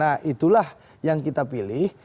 nah itulah yang kita pilih